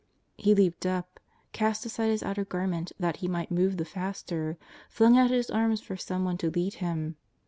'' He leaped up, cast aside his outer garment that he might move the faster, flung out his arms for some one to lead him.